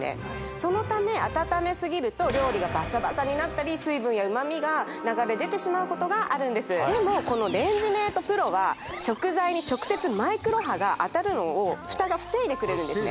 そのため温めすぎると料理がパサパサになったり水分や旨味が流れ出てしまうことがあるんですでもこのレンジメートプロは食材に直接マイクロ波が当たるのを蓋が防いでくれるんですね